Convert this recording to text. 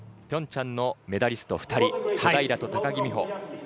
ピョンチャンのメダリスト２人小平と高木美帆。